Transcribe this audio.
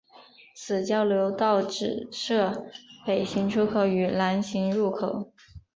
此交流道只设北行出口与南行入口。